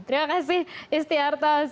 terima kasih istiarto